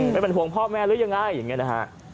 ไม่เป็นห่วงพ่อแม่หรือยังไงอย่างนี้นะฮะ